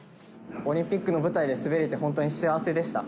オリンピックの舞台で滑れて、本当に幸せでした。